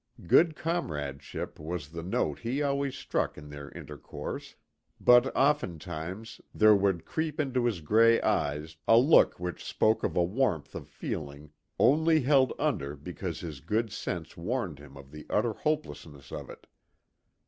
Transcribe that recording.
Good comradeship was the note he always struck in their intercourse, but oftentimes there would creep into his gray eyes a look which spoke of a warmth of feeling only held under because his good sense warned him of the utter hopelessness of it.